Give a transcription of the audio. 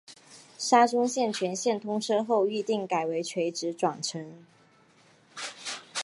沙中线全线通车后预定改为垂直转乘。